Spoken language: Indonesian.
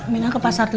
minah ke pasar